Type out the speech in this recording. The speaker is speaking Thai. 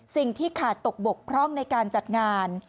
สิ่งที่ขาดตกบกพร่องในการจัดงาน